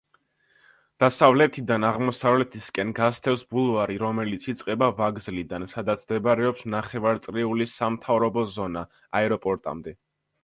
დასავლეთიდან აღმოსავლეთისკენ გასდევს ბულვარი, რომელიც იწყება ვაგზლიდან, სადაც მდებარეობს ნახევარწრიული სამთავრობო ზონა, აეროპორტამდე.